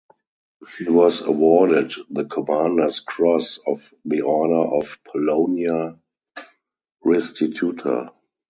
She was awarded the Commander's Cross of the Order of Polonia Restituta.